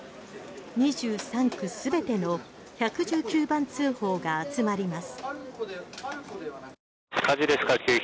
２３区全ての１１９番通報が集まります。